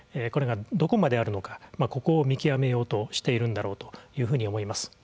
これがどこまであるのかここを見極めようとしているんだろうというふうに思います。